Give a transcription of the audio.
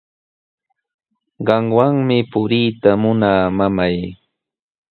Qamwanmi puriyta munaa, mamay.